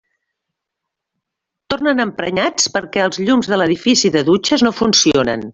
Tornen emprenyats perquè els llums de l'edifici de dutxes no funcionen.